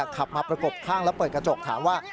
ขับมาประกบข้างแล้วเปิดกระจกถามว่า